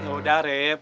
ya udah rep